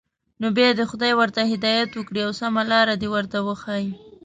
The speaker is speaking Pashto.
نو بیا دې خدای ورته هدایت وکړي او سمه لاره دې ور وښيي.